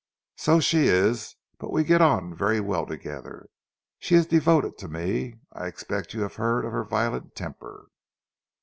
"So she is; but we get on very well together. She is devoted to me. I expect you have heard of her violent temper."